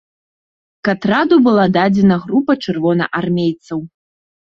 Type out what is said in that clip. К атраду была дадзена група чырвонаармейцаў.